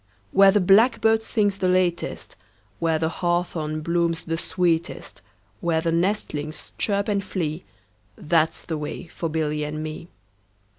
Where the blackbird sings the latest, 5 Where the hawthorn blooms the sweetest, Where the nestlings chirp and flee, That 's the way for Billy and me.